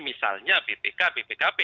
misalnya bpk bpkp